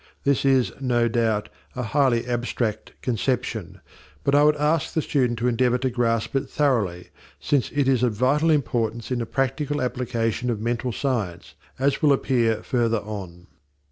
This is, no doubt, a highly abstract conception, but I would ask the student to endeavour to grasp it thoroughly, since it is of vital importance in the practical application of Mental Science, as will appear further on.